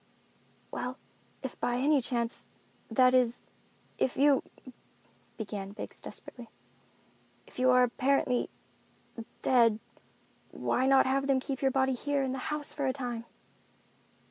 "Well, if by any chance—that is, if you," began Biggs desperately, "if you are apparently—dead—why not have them keep your body here in the house for a time?"